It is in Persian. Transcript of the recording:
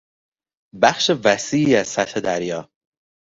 بخش وسیعی از سطح دریا